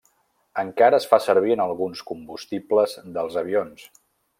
Encara es fa servir en alguns combustibles dels avions.